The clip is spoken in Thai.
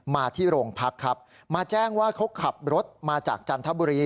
มาที่โรงพักครับมาแจ้งว่าเขาขับรถมาจากจันทบุรี